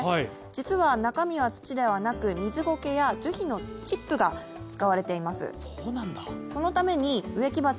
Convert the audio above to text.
実は中身は土ではなく水苔や樹皮のチップが使われています。